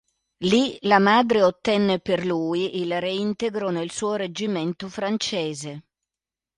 Lì, la madre ottenne per lui il reintegro nel suo reggimento francese.